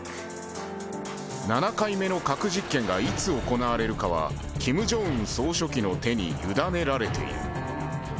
７回目の核実験がいつ行われるかは、キム・ジョンウン総書記の手に委ねられている。